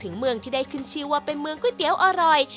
เมืองที่ได้ขึ้นชื่อว่าเป็นเมืองก๋วยเตี๋ยวอร่อย